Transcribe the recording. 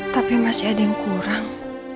tapi masih ada yang kurang